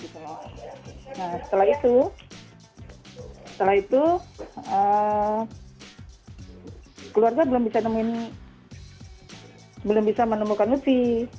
nah setelah itu keluarga belum bisa menemukan lutfi